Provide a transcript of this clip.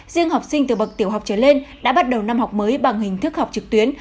riêng học sinh từ bậc tiểu học trở lên đã bắt đầu năm học mới bằng hình thức học trực tuyến